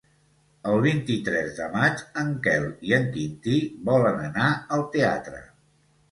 El vint-i-tres de maig en Quel i en Quintí volen anar al teatre.